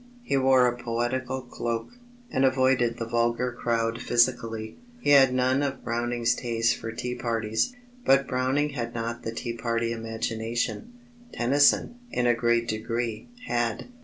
He wore a poetical cloak, and avoided the vulgar crowd physically; he had none of Browning's taste for tea parties. But Browning had not the tea party imagination; Tennyson, in a great degree, had.